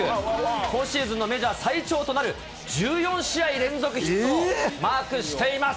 今シーズンのメジャー最長となる１４試合連続ヒットをマークしています。